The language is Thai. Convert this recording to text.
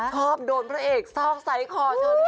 ชอบโดนพระเอกซอกใส่คอชะลี